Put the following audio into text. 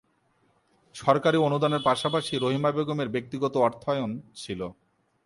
সরকারী অনুদানের পাশাপাশি রহিমা বেগমের ব্যক্তিগত অর্থায়ন ছিল।